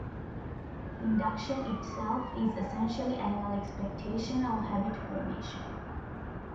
Induction itself is essentially animal expectation or habit formation.